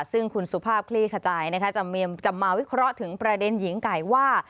ซึ่งคุณสุภาพคลี่ขจายจะมาวิเคราะห์ถึงประเด็นหญิงไก่ว่า